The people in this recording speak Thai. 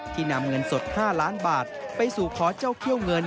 นำเงินสด๕ล้านบาทไปสู่ขอเจ้าเขี้ยวเงิน